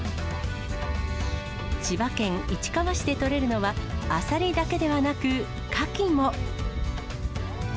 千葉県市川市で採れるのは、アサリだけではなく、カキも。